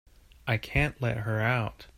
I can't let her out.